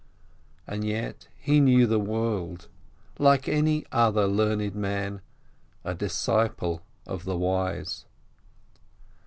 And yet he knew the world, like any other learned man, a disciple of the wise.